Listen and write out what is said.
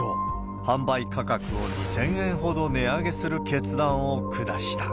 販売価格を２０００円ほど値上げする決断を下した。